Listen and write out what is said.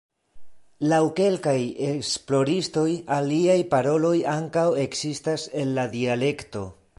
Laŭ kelkaj esploristoj aliaj paroloj ankaŭ ekzistas en la dialekto.